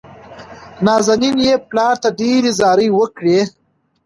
نازنين يې پلار ته ډېرې زارۍ وکړې.